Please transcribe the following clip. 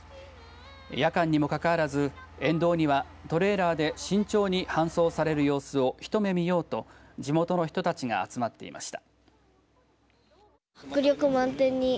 夜間にもかかわらず、沿道にはトレーラーで慎重に搬送される様子を一目見ようと地元の人たちが集まっていました。